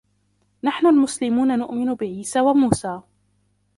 نحن المسلمون نؤمن بعيسى وموسى.